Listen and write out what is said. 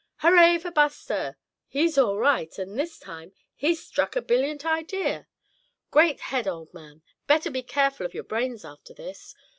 "Hurray for Buster; he's all right; and this time he's struck a brilliant idea! Great head, old man, better be careful of your brains after this.